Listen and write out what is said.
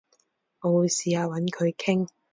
我會試下搵佢傾